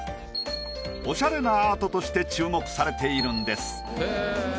オシャレなアートとして注目されているんです。